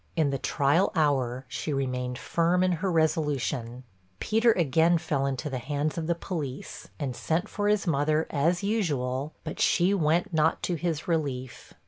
In the trial hour, she remained firm in her resolution. Peter again fell into the hands of the police, and sent for his mother, as usual; but she went not to his relief.